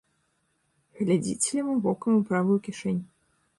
Глядзіць левым вокам у правую кішэнь.